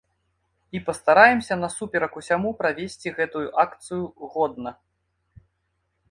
І пастараемся насуперак усяму правесці гэтую акцыю годна.